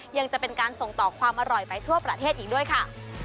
ยังจะเป็นการส่งต่อความอร่อยไปทั่วประเทศอีกด้วยค่ะ